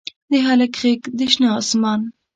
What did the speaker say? د هلک غیږ د شنه اسمان